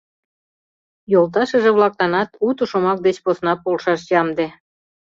Йолташыже-влакланат уто шомак деч посна полшаш ямде.